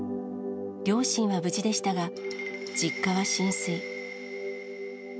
両親は無事でしたが、実家は浸水。